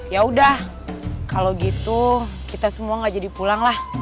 yaudah kalau gitu kita semua gak jadi pulang lah